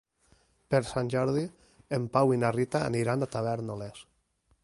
Per Sant Jordi en Pau i na Rita aniran a Tavèrnoles.